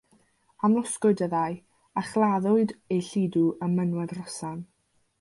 Amlosgwyd y ddau, a chladdwyd eu lludw ym mynwent Rhosan.